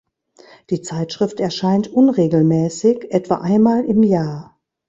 Die Zeitschrift erscheint unregelmäßig etwa einmal im Jahr.